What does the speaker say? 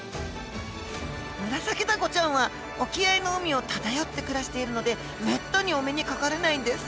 ムラサキダコちゃんは沖合の海を漂って暮らしているのでめったにお目にかかれないんです。